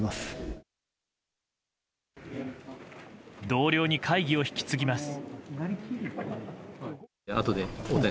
同僚に会議を引き継ぎます。